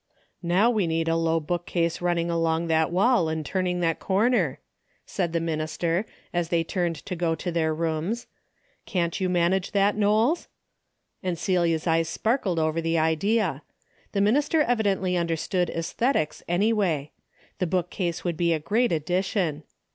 "How we need a low bookcase running along that wall and turning that corner," said the minister, as they turned to go to their 228 A DAILY BATE." rooms. Can't you manage that, Knowles ?" and Celia's eyes sparkled over the idea. The minister evidently understood esthetics any way. The bookcase would be a great addition.